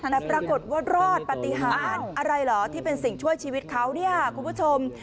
แต่ปรากฏว่ารอดปฏิหารอะไรเหรอที่เป็นสิ่งช่วยชีวิตเขาเนี่ยคุณผู้ชม